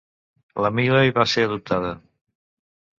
La Miley va ser adoptada.